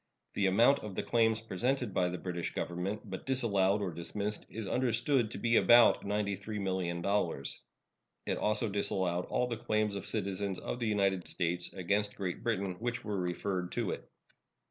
The amount of the claims presented by the British Government, but disallowed or dismissed, is understood to be about $93,000,000. It also disallowed all the claims of citizens of the United States against Great Britain which were referred to it.